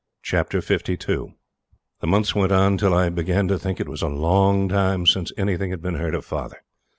Chapter 52 The months went on till I began to think it was a long time since anything had been heard of father.